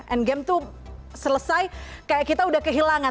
endgame tuh selesai kayak kita udah kehilangan